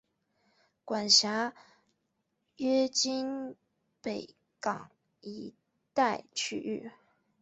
管辖约今北港一带区域。